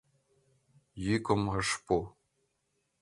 Йӱкым ыш пу...